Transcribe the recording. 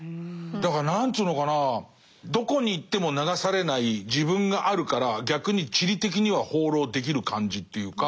だから何つうのかなどこに行っても流されない自分があるから逆に地理的には放浪できる感じっていうか。